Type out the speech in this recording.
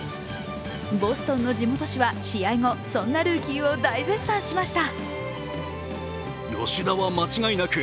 ボストンの地元紙は試合後、そんなルーキーを大絶賛しました。